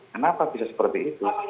kenapa bisa seperti itu